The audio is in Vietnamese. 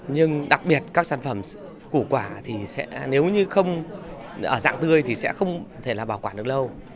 nhưng đặc biệt các sản phẩm củ quả thì nếu như không ở dạng tươi thì sẽ không thể là bảo quản được lâu